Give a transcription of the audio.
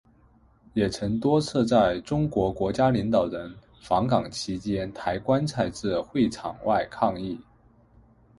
也曾多次在中国国家领导人访港期间抬棺材至会场外抗议。